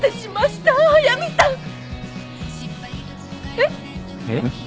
えっ？えっ？